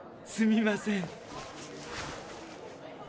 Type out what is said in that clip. すみません。